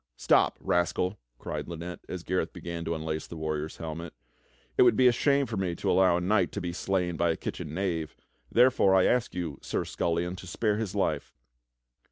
"Stop, rascal," cried Lynette as Gareth began to unlace the warrior's helmet, "it would be a shame for me to allow a knight to be slain by a kitchen knave. Therefore I ask you. Sir Scullion, to spare his life."